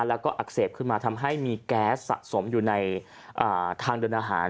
แล้วก็อักเสบขึ้นมาทำให้มีแก๊สสะสมอยู่ในทางเดินอาหาร